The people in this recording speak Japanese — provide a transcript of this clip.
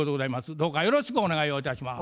どうかよろしくお願いをいたします。